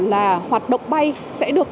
là hoạt động bay sẽ được